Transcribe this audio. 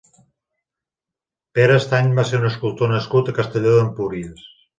Pere Estany va ser un escultor nascut a Castelló d'Empúries.